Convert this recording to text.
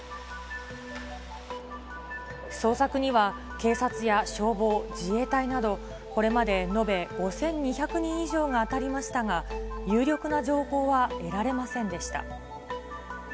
捜索には、警察や消防、自衛隊などこれまで延べ５２００人以上が当たりましたが、有力な情報は得られませんでした。